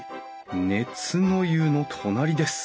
熱の湯の隣です」